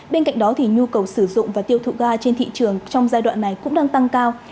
bên cạnh đó nhu cầu sử dụng và tiêu thụ ga trên thị trường trong giai đoạn này cũng đang tăng cao